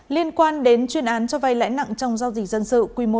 liên quan đến chuyên án cho vay lãi nặng trong giao dịch dân sự